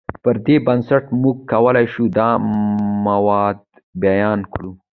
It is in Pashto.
پر دې بنسټ موږ کولی شو دا موارد بیان کړو.